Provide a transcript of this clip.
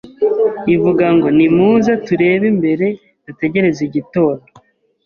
ivuga ngo ‘Nimuze turebe imbere dutegereze igitondo